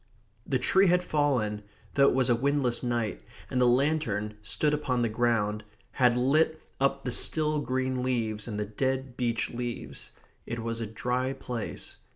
The tree had fallen, though it was a windless night, and the lantern, stood upon the ground, had lit up the still green leaves and the dead beech leaves. It was a dry place.